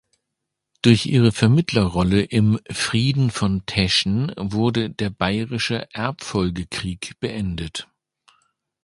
Durch ihre Vermittlerrolle im Frieden von Teschen wurde der Bayerische Erbfolgekrieg beendet.